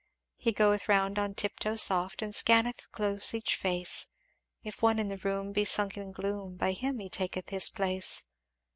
"He goeth round on tiptoe soft, And scanneth close each face; If one in the room be sunk in gloom, By him he taketh his place.